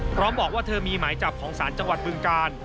พร้อมบอกว่าเธอมีหมายจับของศาลจังหวัดบึงกาล